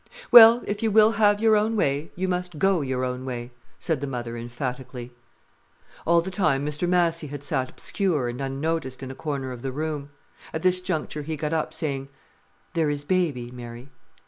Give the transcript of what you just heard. "Well, if you will have your own way, you must go your own way," said the mother emphatically. All the time Mr Massy had sat obscure and unnoticed in a corner of the room. At this juncture he got up, saying: "There is baby, Mary."